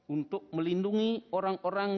untuk melindungi orang orang